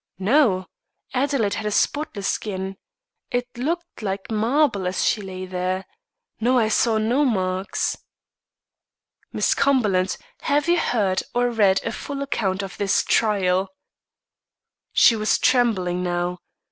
"No. Adelaide had a spotless skin. It looked like marble as she lay there. No, I saw no marks." "Miss Cumberland, have you heard or read a full account of this trial?" She was trembling, now.